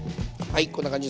はい。